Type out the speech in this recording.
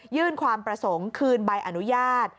ยื่นความประสงค์คืนใบอนุญาต